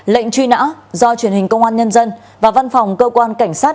lệnh truy nã do truyền hình công an nhân dân và văn phòng cơ quan cảnh sát